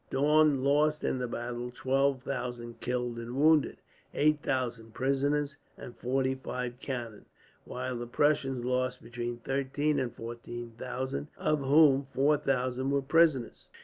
Daun lost in the battle twelve thousand killed and wounded, eight thousand prisoners, and forty five cannon; while the Prussians lost between thirteen and fourteen thousand, of whom four thousand were prisoners.